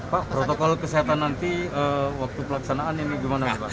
pak protokol kesehatan nanti waktu pelaksanaan ini gimana pak